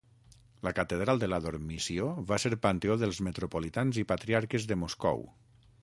La catedral de la Dormició va ser panteó dels metropolitans i patriarques de Moscou.